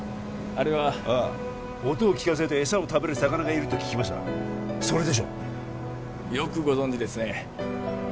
あれはああ音を聞かせて餌を食べる魚がいると聞きましたそれでしょう？よくご存じですね